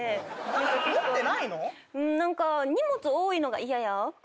何か荷物多いのが嫌や。